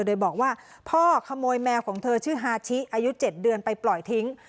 โดยบอกว่าพ่อขโมยแมวของเธอชื่อฮาชิอายุ๗เดือนไปปล่อยทิ้ง